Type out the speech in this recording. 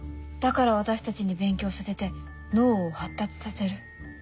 だから私たちに勉強させて脳を発達させる。